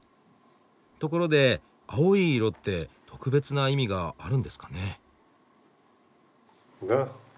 ところで青い色って特別な意味があるんですかね？